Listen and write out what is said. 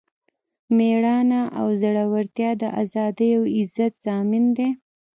میړانه او زړورتیا د ازادۍ او عزت ضامن دی.